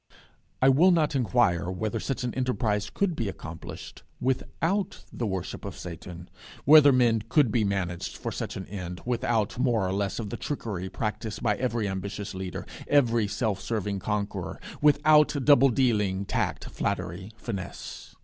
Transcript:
I will not inquire whether such an enterprise could be accomplished without the worship of Satan, whether men could be managed for such an end without more or less of the trickery practised by every ambitious leader, every self serving conqueror without double dealing, tact, flattery, finesse.